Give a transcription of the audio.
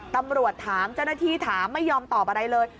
ตำรวจถามเจ้าหน้าที่ถามไม่ยอมตอบอะไรเลย